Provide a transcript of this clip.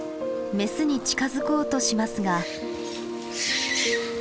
メスに近づこうとしますが。